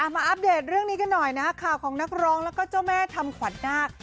อัปเดตเรื่องนี้กันหน่อยนะข่าวของนักร้องแล้วก็เจ้าแม่ทำขวัญนาค